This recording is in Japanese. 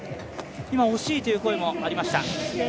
今、惜しいという声もありました。